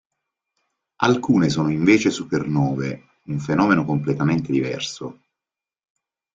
Alcune sono invece supernovae, un fenomeno completamente diverso.